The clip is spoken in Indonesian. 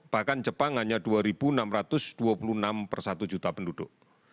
bahkan jepang hanya dua enam ratus dua puluh enam per satu juta penduduk